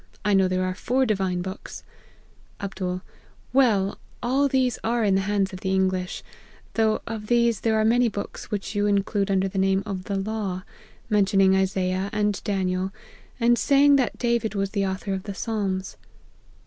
I know there .are four divine books.' " Md. ' Well ! all these are in the hands of the English ; though of these there are many books which you include under the name of the law ;' mentioning Isaiah and Daniel, and saying that Da vid was the author of the Psalms.